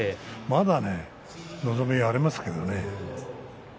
まだ望みはありますけどね。